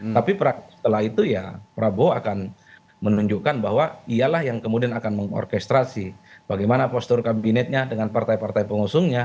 tapi setelah itu ya prabowo akan menunjukkan bahwa ialah yang kemudian akan mengorkestrasi bagaimana postur kabinetnya dengan partai partai pengusungnya